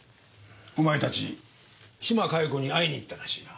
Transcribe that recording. お前たち島加代子に会いに行ったらしいな。